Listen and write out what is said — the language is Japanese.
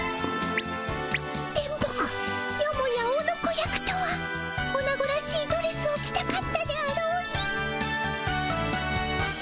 電ボ子よもやオノコ役とはオナゴらしいドレスを着たかったであろうに。